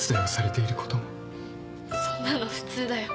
そんなの普通だよ。